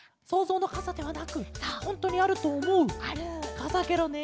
かさケロねえ。